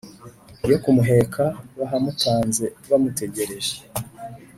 yo kumuheka bahamutanze bamutegereje,